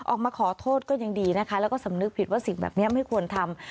ออกมาขอโทษก็ยังดีนะคะแล้วก็สำนึกผิดว่าสิ่งแบบนี้ไม่ควรทำ